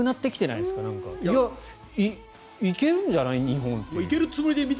いや、行けるんじゃない日本って。